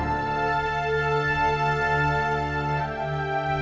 aku mau ke sekolah